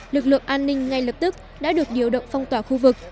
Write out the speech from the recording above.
lực lượng an ninh ngay lập tức đã được điều động phong tỏa khu vực